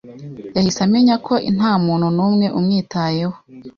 yahise amenya ko ntamuntu numwe umwitayeho.